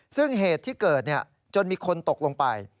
ซึ่งเหตุที่เกิดจนมีคนตกลงไป